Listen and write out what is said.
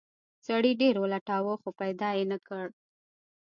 سړي ډیر ولټاوه خو پیدا یې نه کړ.